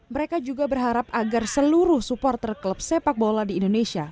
mereka juga berharap agar seluruh supporter klub sepak bola di indonesia